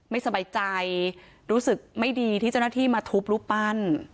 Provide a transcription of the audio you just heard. ไม่สบายใจรู้สึกไม่ดีที่เจ้าหน้าที่มาทุบรูปปั้น